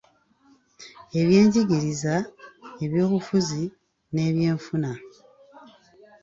Ebyenjigiriza, ebyobufuzi n’ebyenfuna